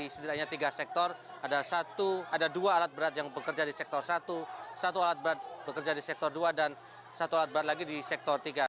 setidaknya tiga sektor ada dua alat berat yang bekerja di sektor satu satu alat berat bekerja di sektor dua dan satu alat berat lagi di sektor tiga